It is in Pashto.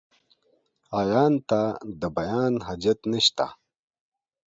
عيان ته ، د بيان حاجت نسته.